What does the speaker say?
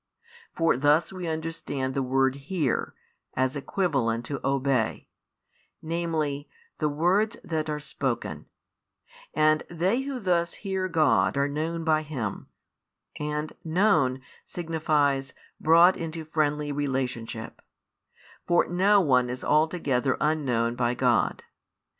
For thus we understand the word "hear," as equivalent to |100 "obey," namely, the words that are spoken: and they who thus hear God are known by Him, and "known" signifies "brought into friendly relationship:" for no one is altogether unknown by God.